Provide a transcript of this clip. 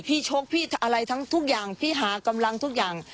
ชกพี่อะไรทั้งทุกอย่างพี่หากำลังทุกอย่าง